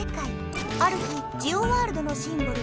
ある日ジオワールドのシンボル